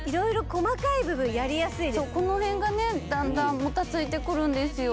そうこの辺がねだんだんもたついてくるんですよ